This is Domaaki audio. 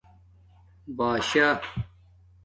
بشْآ